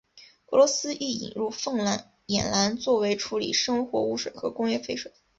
俄罗斯亦引入凤眼蓝作为处理生活污水和工业废水。